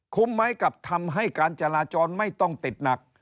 ไหมกับทำให้การจราจรไม่ต้องติดหนัก